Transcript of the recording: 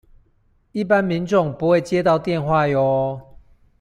一般民眾不會接到電話唷